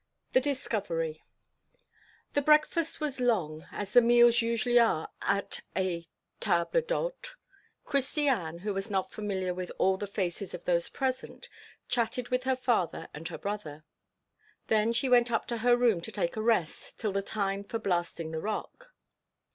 The Discovery The breakfast was long, as the meals usually are at a table d'hôte. Christiane, who was not familiar with all the faces of those present, chatted with her father and her brother. Then she went up to her room to take a rest till the time for blasting the rock.